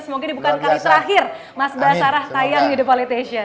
semoga ini bukan kali terakhir mas basarah tayang u the politician